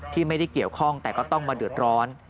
ไม่ได้เกี่ยวข้องแต่ก็ต้องมาเดือดร้อน